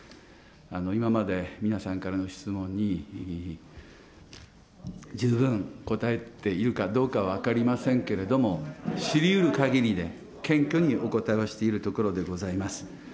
今まで皆さんからの質問に、十分答えているかどうか分かりませんけれども、しりうるかぎりで謙虚にお答えはしているところでございます。